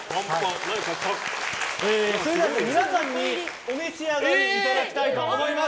皆さんにお召し上がりいただきたいと思います。